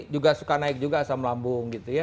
juga suka naik juga asam lambung gitu ya